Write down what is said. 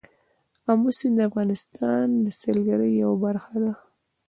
آمو سیند د افغانستان د سیلګرۍ یوه برخه ده.